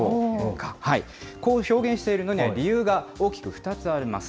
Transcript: こう表現しているのには理由が大きく２つあります。